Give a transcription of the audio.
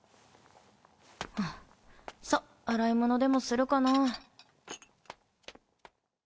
ハァさぁ洗い物でもするかな。